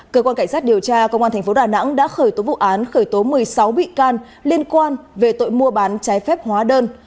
cơ quan cảnh sát điều tra công an tp đà nẵng đã khởi tố vụ án khởi tố một mươi sáu bị can liên quan về tội mua bán trái phép hóa đơn